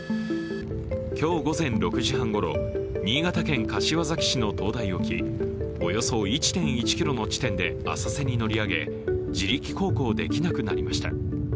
今日午前６時半ごろ、新潟県柏崎市の灯台沖およそ１．１ｋｍの地点で浅瀬に乗り上げ、自力航行できなくなりました。